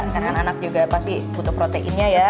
karena anak anak juga pasti butuh proteinnya ya